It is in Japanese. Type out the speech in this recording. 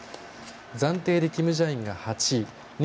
暫定でキム・ジャインが８位。